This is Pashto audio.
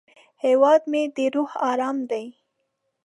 هیواد مې د روح ارام دی